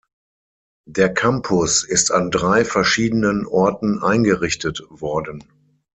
Der Campus ist an drei verschiedenen Orten eingerichtet worden.